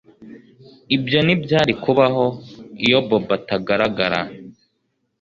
Ibyo ntibyari kubaho iyo Bobo atagaragara